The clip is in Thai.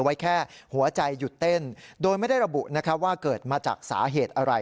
ไว้แค่หัวใจหยุดเต้นโดยไม่ได้ระบุว่าเกิดมาจากสาเหตุอะไร